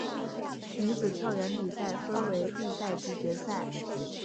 女子跳远比赛分为预赛及决赛。